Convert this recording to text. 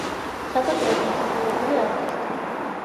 საქართველოს დამსახურებული არტისტი.